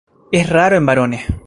Es raro en varones.